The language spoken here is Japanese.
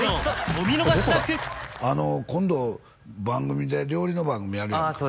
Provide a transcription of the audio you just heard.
お見逃しなく今度番組で料理の番組やるやんかああ